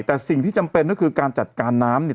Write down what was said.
แต่สิ่งที่จำเป็นก็คือการจัดการน้ำเนี่ย